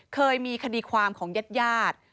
เคยมีคดีความของญาติญาติ